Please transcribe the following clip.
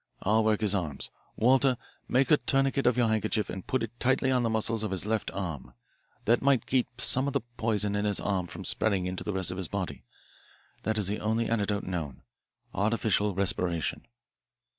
I'll work his arms. Walter, make a tourniquet of your handkerchief and put it tightly on the muscles of his left arm. That may keep some of the poison in his arm from spreading into the rest of his body. This is the only antidote known artificial respiration."